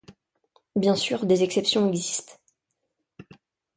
Bien sûr, des exceptions existent.